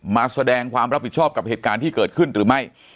มาแสดงความรับผิดชอบกับเหตุการณ์ที่เกิดขึ้นหรือไม่